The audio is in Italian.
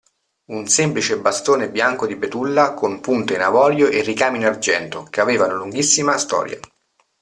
Un semplice bastone bianco di betulla con punta in avorio e ricami in argento, che aveva una lunghissima storia.